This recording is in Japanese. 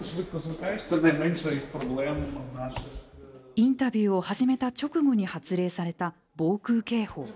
インタビューを始めた直後に発令された防空警報。